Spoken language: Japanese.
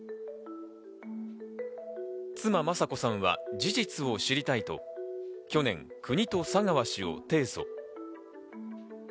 妻・雅子さんは事実を知りたいと去年、国と佐川氏を提訴。